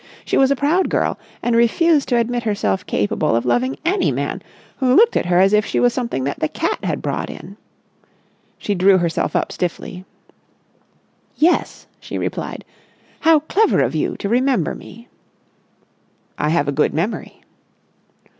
She was a proud girl and refused to admit herself capable of loving any man who looked at her as if she was something that the cat had brought in. She drew herself up stiffly. "Yes," she replied. "How clever of you to remember me." "I have a good memory."